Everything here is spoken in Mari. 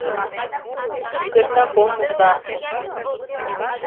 Шукертак ом уж да...